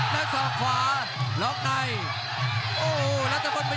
และส่องขวาล๊อคไนท์